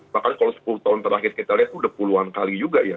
bahkan kalau sepuluh tahun terakhir kita lihat itu udah puluhan kali juga ya